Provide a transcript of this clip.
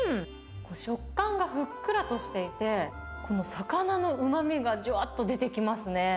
食感がふっくらとしていて、この魚のうまみがじゅわっと出てきますね。